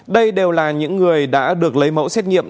đây đều là những người đã được lấy mẫu xét nghiệm